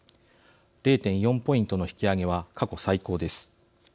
０．４ポイントの引き上げは過去最高です。